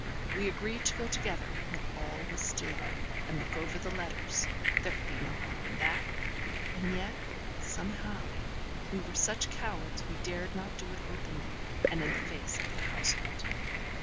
We agreed to go together when all was still, and look over the letters; there could be no harm in that; and yet, somehow, we were such cowards we dared not do it openly and in the face of the household.